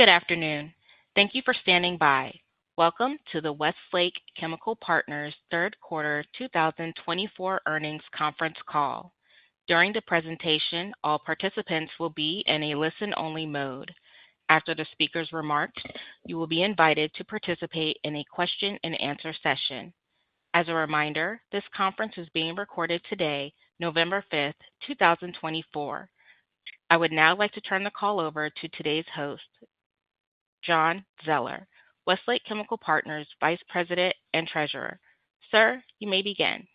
Good afternoon. Thank you for standing by. Welcome to the Westlake Chemical Partners' Third Quarter 2024 Earnings Conference Call. During the presentation, all participants will be in a listen-only mode. After the speaker's remarks, you will be invited to participate in a question-and-answer session. As a reminder, this conference is being recorded today, November 5th, 2024. I would now like to turn the call over to today's host, John Zoeller, Westlake Chemical Partners' Vice President and Treasurer. Sir, you may begin.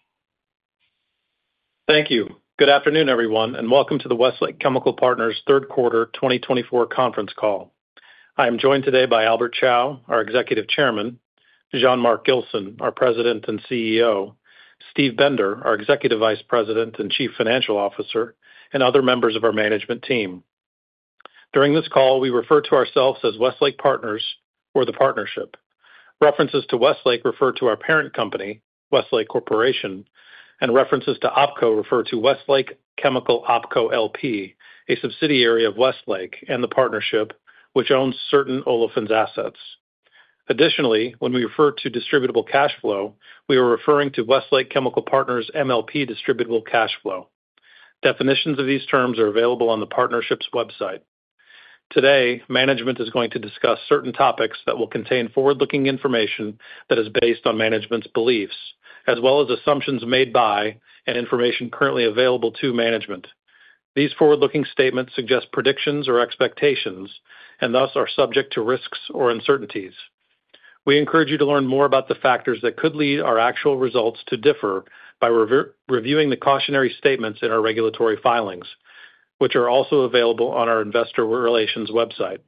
Thank you. Good afternoon, everyone, and welcome to the Westlake Chemical Partners' Third Quarter 2024 Conference Call. I am joined today by Albert Chao, our Executive Chairman, Jean-Marc Gilson, our President and CEO, Steve Bender our Executive Vice President and Chief Financial Officer, and other members of our management team. During this call, we refer to ourselves as Westlake Partners or the Partnership. References to Westlake refer to our parent company, Westlake Corporation, and references to OpCo refer to Westlake Chemical OpCo LP, a subsidiary of Westlake and the Partnership, which owns certain olefin assets. Additionally, when we refer to distributable cash flow, we are referring to Westlake Chemical Partners' MLP distributable cash flow. Definitions of these terms are available on the Partnership's website. Today, management is going to discuss certain topics that will contain forward-looking information that is based on management's beliefs, as well as assumptions made by and information currently available to management. These forward-looking statements suggest predictions or expectations and thus are subject to risks or uncertainties. We encourage you to learn more about the factors that could lead our actual results to differ by reviewing the cautionary statements in our regulatory filings, which are also available on our Investor Relations website.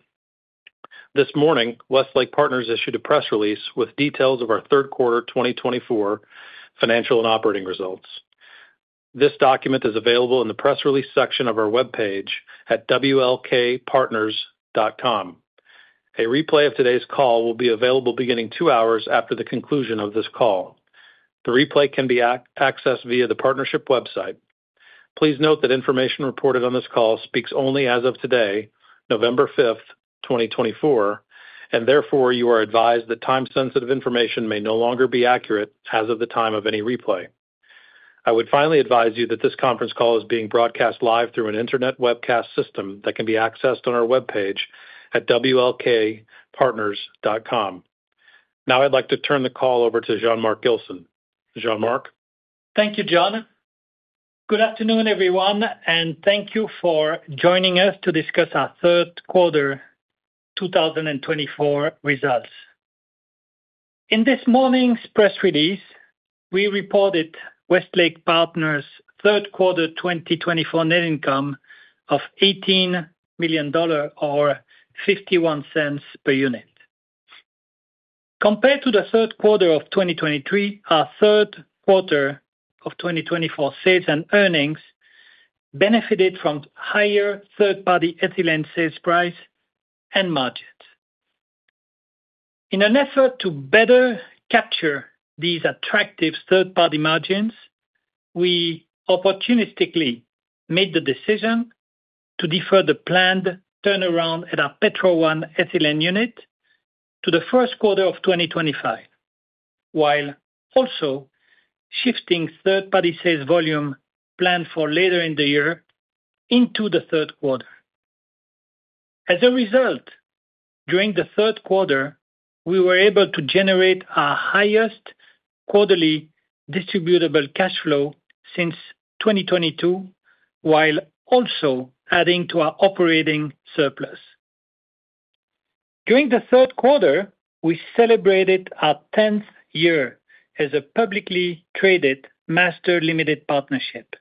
This morning, Westlake Partners issued a press release with details of our third quarter 2024 financial and operating results. This document is available in the press release section of our web page at wlkpartners.com. A replay of today's call will be available beginning two hours after the conclusion of this call. The replay can be accessed via the Partnership website. Please note that information reported on this call speaks only as of today, November 5th, 2024, and therefore you are advised that time-sensitive information may no longer be accurate as of the time of any replay. I would finally advise you that this conference call is being broadcast live through an internet webcast system that can be accessed on our web page at wlkpartners.com. Now I'd like to turn the call over to Jean-Marc Gilson. Jean-Marc. Thank you, John. Good afternoon, everyone, and thank you for joining us to discuss our third quarter 2024 results. In this morning's press release, we reported Westlake Partners' third quarter 2024 net income of $18 million or $0.51 per unit. Compared to the third quarter of 2023, our third quarter of 2024 sales and earnings benefited from higher third-party ethylene sales price and margins. In an effort to better capture these attractive third-party margins, we opportunistically made the decision to defer the planned turnaround at our Petro 1 ethylene unit to the first quarter of 2025, while also shifting third-party sales volume planned for later in the year into the third quarter. As a result, during the third quarter, we were able to generate our highest quarterly distributable cash flow since 2022, while also adding to our operating surplus. During the third quarter, we celebrated our 10th year as a publicly traded master limited partnership.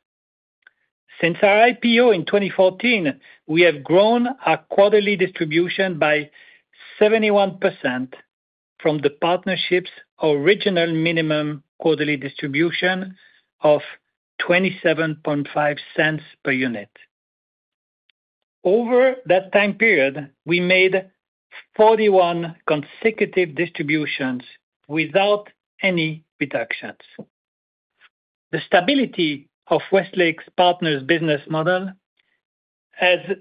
Since our IPO in 2014, we have grown our quarterly distribution by 71% from the partnership's original minimum quarterly distribution of $0.275 per unit. Over that time period, we made 41 consecutive distributions without any reductions. The stability of Westlake Chemical Partners' business model is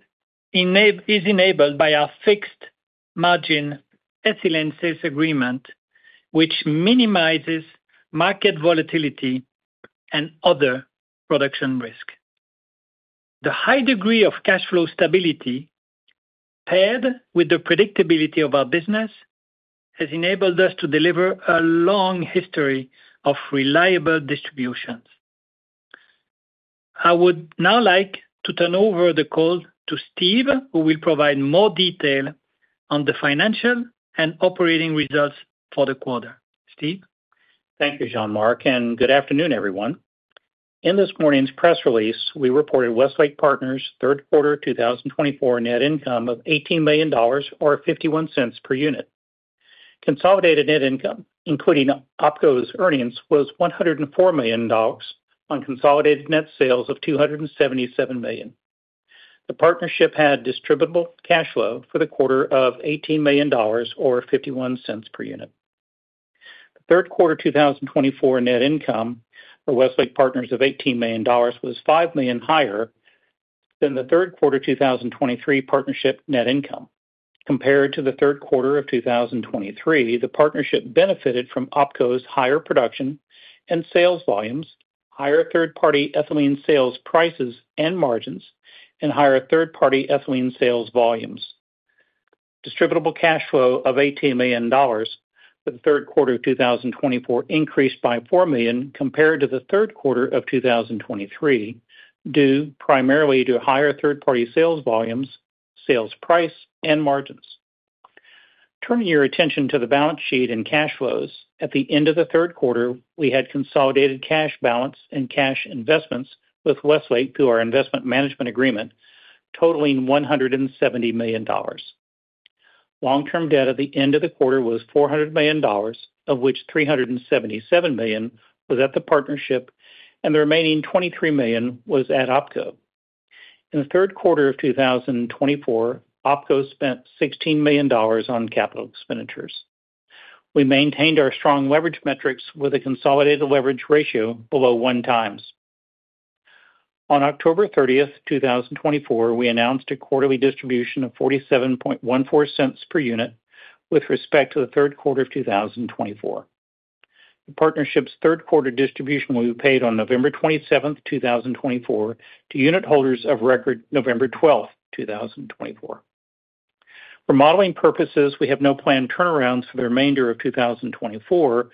enabled by our fixed-margin ethylene sales agreement, which minimizes market volatility and other production risk. The high degree of cash flow stability, paired with the predictability of our business, has enabled us to deliver a long history of reliable distributions. I would now like to turn over the call to Steve, who will provide more detail on the financial and operating results for the quarter. Steve? Thank you, Jean-Marc Gilson, and good afternoon, everyone. In this morning's press release, we reported Westlake Partners' third quarter 2024 net income of $18 million or $0.51 per unit. Consolidated net income, including OpCo's earnings, was $104 million on consolidated net sales of $277 million. The partnership had distributable cash flow for the quarter of $18 million or $0.51 per unit. Third quarter 2024 net income for Westlake Partners of $18 million was $5 million higher than the third quarter 2023 partnership net income. Compared to the third quarter of 2023, the partnership benefited from OpCo's higher production and sales volumes, higher third-party ethylene sales prices and margins, and higher third-party ethylene sales volumes. Distributable cash flow of $18 million for the third quarter 2024 increased by $4 million compared to the third quarter of 2023, due primarily to higher third-party sales volumes, sales price, and margins. Turning your attention to the balance sheet and cash flows, at the end of the third quarter, we had consolidated cash balance and cash investments with Westlake through our investment management agreement, totaling $170 million. Long-term debt at the end of the quarter was $400 million, of which $377 million was at the partnership, and the remaining $23 million was at OpCo. In the third quarter of 2024, OpCo spent $16 million on capital expenditures. We maintained our strong leverage metrics with a consolidated leverage ratio below one times. On October 30th, 2024, we announced a quarterly distribution of $47.14 per unit with respect to the third quarter of 2024. The partnership's third quarter distribution will be paid on November 27th, 2024, to unit holders of record, November 12th, 2024. For modeling purposes, we have no planned turnarounds for the remainder of 2024,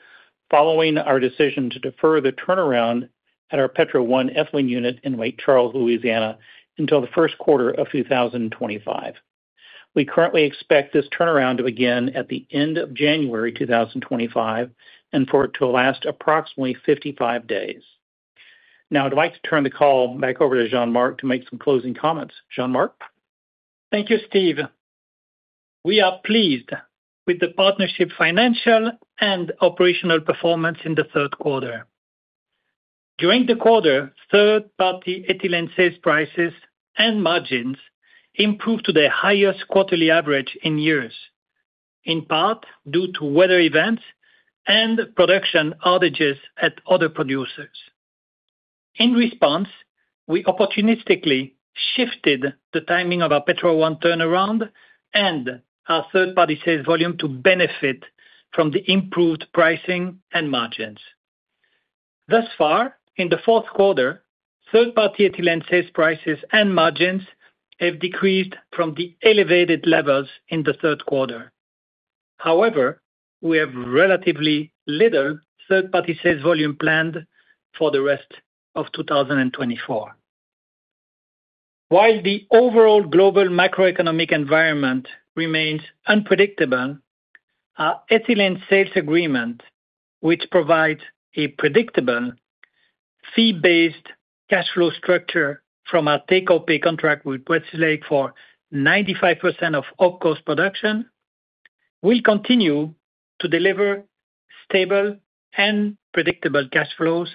following our decision to defer the turnaround at our Petro 1 ethylene unit in Lake Charles, Louisiana, until the first quarter of 2025. We currently expect this turnaround to begin at the end of January 2025 and for it to last approximately 55 days. Now, I'd like to turn the call back over to Jean-Marc to make some closing comments. Jean-Marc? Thank you, Steve. We are pleased with the partnership's financial and operational performance in the third quarter. During the quarter, third-party ethylene sales prices and margins improved to their highest quarterly average in years, in part due to weather events and production outages at other producers. In response, we opportunistically shifted the timing of our Petro 1 turnaround and our third-party sales volume to benefit from the improved pricing and margins. Thus far, in the fourth quarter, third-party ethylene sales prices and margins have decreased from the elevated levels in the third quarter. However, we have relatively little third-party sales volume planned for the rest of 2024. While the overall global macroeconomic environment remains unpredictable, our ethylene sales agreement, which provides a predictable fee-based cash flow structure from our take-or-pay contract with Westlake for 95% of OpCo's production, will continue to deliver stable and predictable cash flows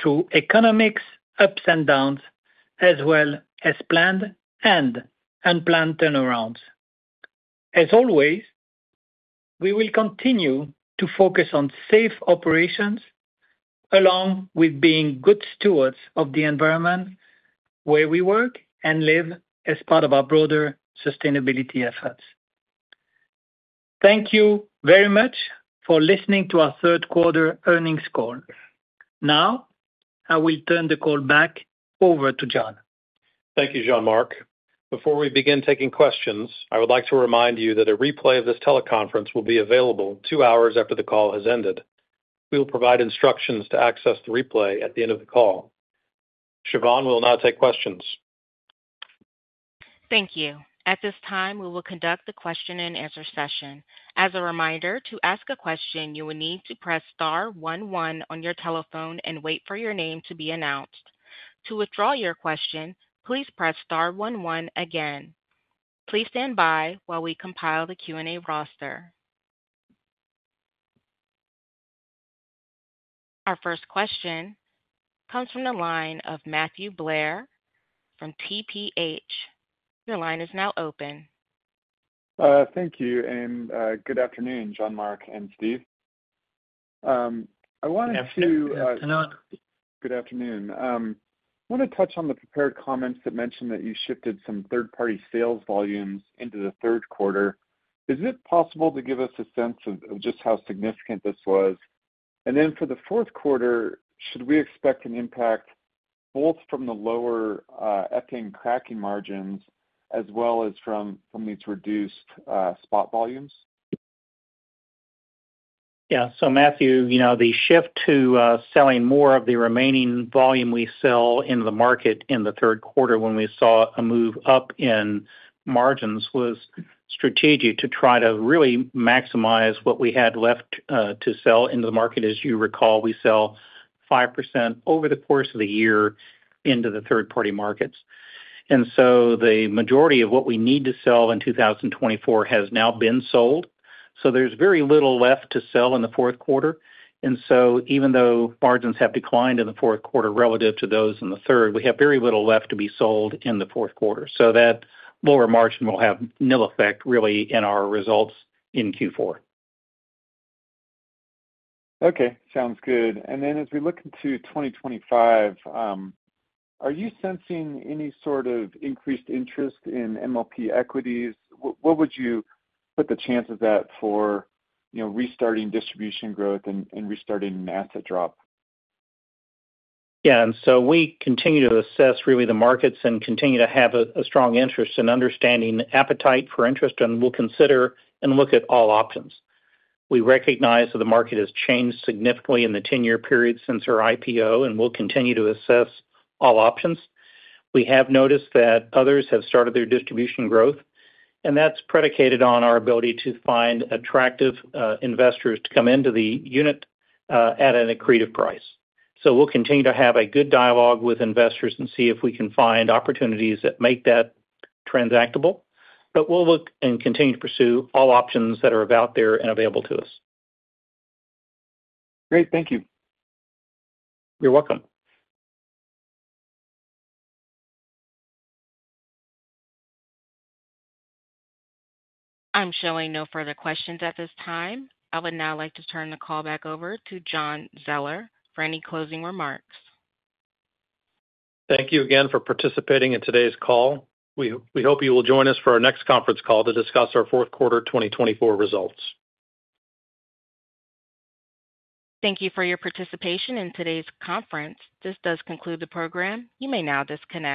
through economic ups and downs, as well as planned and unplanned turnarounds. As always, we will continue to focus on safe operations, along with being good stewards of the environment where we work and live as part of our broader sustainability efforts. Thank you very much for listening to our third quarter earnings call. Now, I will turn the call back over to John. Thank you, Jean-Marc Gilson. Before we begin taking questions, I would like to remind you that a replay of this teleconference will be available two hours after the call has ended. We will provide instructions to access the replay at the end of the call. Siobhan will now take questions. Thank you. At this time, we will conduct the question-and-answer session. As a reminder, to ask a question, you will need to press star one one on your telephone and wait for your name to be announced. To withdraw your question, please press star one one again. Please stand by while we compile the Q&A roster. Our first question comes from the line of Matthew Blair from TPH. Your line is now open. Thank you and good afternoon, Jean-Marc and Steve. I wanted to. Yes, good afternoon. Good afternoon. I want to touch on the prepared comments that mentioned that you shifted some third-party sales volumes into the third quarter. Is it possible to give us a sense of just how significant this was? And then for the fourth quarter, should we expect an impact both from the lower ethane cracking margins as well as from these reduced spot volumes? Yeah. So, Matthew, the shift to selling more of the remaining volume we sell into the market in the third quarter when we saw a move up in margins was strategic to try to really maximize what we had left to sell into the market. As you recall, we sell 5% over the course of the year into the third-party markets. And so the majority of what we need to sell in 2024 has now been sold. So there's very little left to sell in the fourth quarter. And so even though margins have declined in the fourth quarter relative to those in the third, we have very little left to be sold in the fourth quarter. So that lower margin will have no effect, really, in our results in Q4. Okay. Sounds good, and then as we look into 2025, are you sensing any sort of increased interest in MLP equities? What would you put the chances at for restarting distribution growth and restarting an asset drop? Yeah. And so we continue to assess, really, the markets and continue to have a strong interest in understanding appetite for interest, and we'll consider and look at all options. We recognize that the market has changed significantly in the 10-year period since our IPO, and we'll continue to assess all options. We have noticed that others have started their distribution growth, and that's predicated on our ability to find attractive investors to come into the unit at an accretive price. So we'll continue to have a good dialogue with investors and see if we can find opportunities that make that transactable. But we'll look and continue to pursue all options that are out there and available to us. Great. Thank you. You're welcome. I'm showing no further questions at this time. I would now like to turn the call back over to John Zoeller for any closing remarks. Thank you again for participating in today's call. We hope you will join us for our next conference call to discuss our fourth quarter 2024 results. Thank you for your participation in today's conference. This does conclude the program. You may now disconnect.